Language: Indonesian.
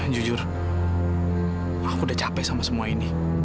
jujur aku udah capek sama semua ini